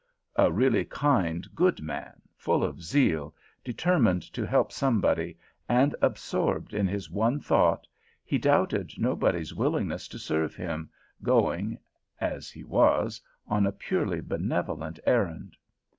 A really kind, good man, full of zeal, determined to help somebody, and absorbed in his one thought, he doubted nobody's willingness to serve him, going, as he was, on a purely benevolent errand.